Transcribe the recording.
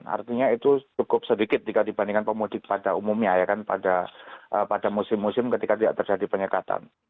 artinya itu cukup sedikit jika dibandingkan pemudik pada umumnya ya kan pada musim musim ketika tidak terjadi penyekatan